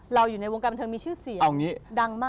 อยู่ในวงการบันเทิงมีชื่อเสียงดังมาก